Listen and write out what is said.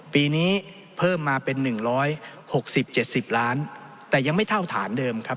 ปีนี้เพิ่มมาเป็น๑๖๐๗๐ล้านแต่ยังไม่เท่าฐานเดิมครับ